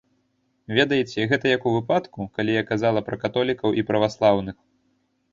Ведаеце, гэта як у выпадку, калі я казала пра католікаў і праваслаўных.